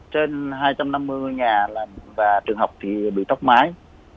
trên hai trăm năm mươi ngôi nhà và trường học thì bị tóc mái